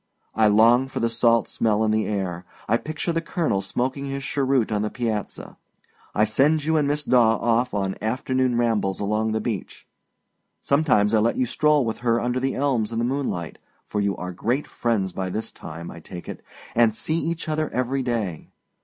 I long for the salt smell in the air. I picture the colonel smoking his cheroot on the piazza. I send you and Miss Daw off on afternoon rambles along the beach. Sometimes I let you stroll with her under the elms in the moonlight, for you are great friends by this time, I take it, and see each other every day.